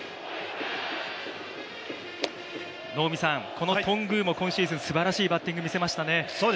この頓宮も今シーズンすばらしいバッティング見せましたね。